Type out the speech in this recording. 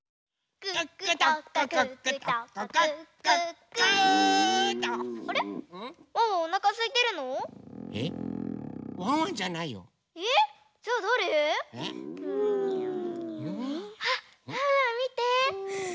うん？あっワンワンみて！